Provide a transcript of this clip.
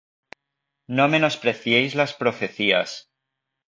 No menospreciéis las profecías.